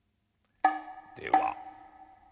では。